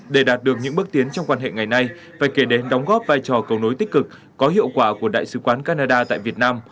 để đạt được những bước tiến trong quan hệ ngày nay phải kể đến đóng góp vai trò cầu nối tích cực có hiệu quả của đại sứ quán canada tại việt nam